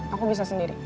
aku bisa sendiri